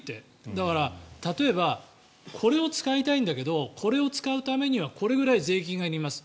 だから、例えばこれを使いたいんだけどこれを使うためにはこれぐらい税金がいります